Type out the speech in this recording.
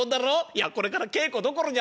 いやこれから稽古どころじゃねえよ。